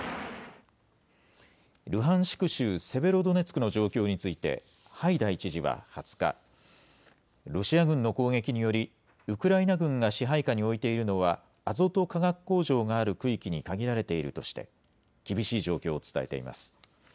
ルハンシク州セベロドネツクの状況についてハイダイ知事は２０日、ロシア軍の攻撃によりウクライナ軍が支配下に置いているのはアゾト化学工場がある区域に限られているとして厳しい状況を伝えています。